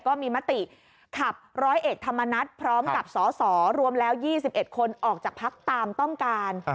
ก็มีมติขับร้อยเอกธรรมนัฐพร้อมกับสสรวมแล้ว๒๑คนออกจากพักตามต้องการ